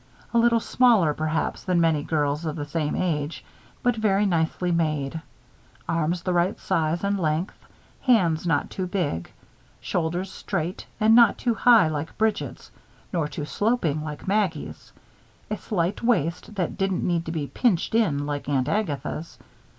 A little smaller, perhaps, than many girls of the same age; but very nicely made. Arms the right size and length, hands not too big, shoulders straight and not too high like Bridget's, nor too sloping like Maggie's. A slight waist that didn't need to be pinched in like Aunt Agatha's.